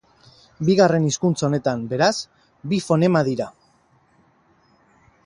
Bigarren hizkuntza honetan, beraz, bi fonema dira.